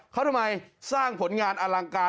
เขาทำไมสร้างผลงานอลังการ